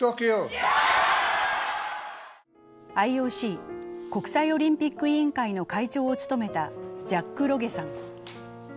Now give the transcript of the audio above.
ＩＯＣ＝国際オリンピック委員会の会長を務めたジャック・ロゲさん。